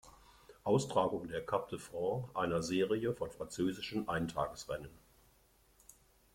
Austragung der Coupe de France, einer Serie von französischen Eintagesrennen.